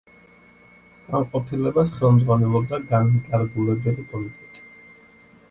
განყოფილებას ხელმძღვანელობდა განმკარგულებელი კომიტეტი.